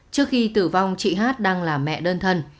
trước khi tử vong chị hát đang là mẹ đơn thân